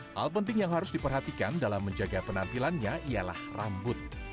hal penting yang harus diperhatikan dalam menjaga penampilannya ialah rambut